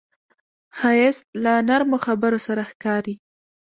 ښایست له نرمو خبرو سره ښکاري